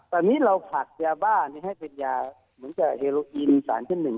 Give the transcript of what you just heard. ตอนนี้เราผลักยาบ้าให้เป็นยาเหมือนกับเฮโลอินสารชั้นหนึ่ง